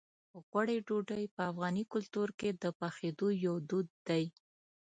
غوړي ډوډۍ په افغاني کلتور کې د پخېدو یو دود دی.